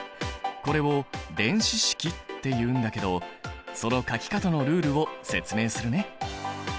これを電子式っていうんだけどその書き方のルールを説明するね。